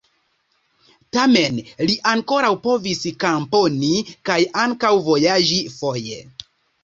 Tamen li ankoraŭ povis komponi kaj ankaŭ vojaĝi foje.